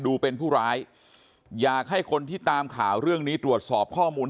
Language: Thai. ดูเป็นผู้ร้ายอยากให้คนที่ตามข่าวเรื่องนี้ตรวจสอบข้อมูล